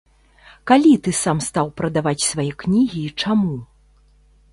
Калі ты сам стаў прадаваць свае кнігі і чаму?